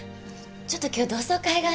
ちょっと今日同窓会があって。